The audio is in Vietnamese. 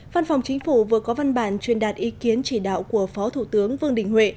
văn phòng chính phủ vừa có văn bản truyền đạt ý kiến chỉ đạo của phó thủ tướng vương đình huệ